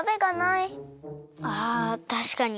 あたしかに。